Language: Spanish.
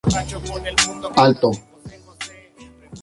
El conjunto presenta elementos de inspiración clásica.